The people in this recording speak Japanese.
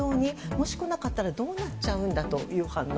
もし来なかったらどうなっちゃうんだっていう反応。